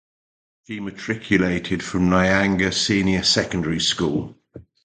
She matriculated from Nyanga Senior Secondary School.